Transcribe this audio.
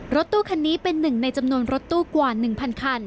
รถตู้คันนี้เป็นหนึ่งในจำนวนรถตู้กว่า๑๐๐คัน